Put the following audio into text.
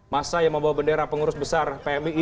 masa yang membawa bendera pengurus besar pmii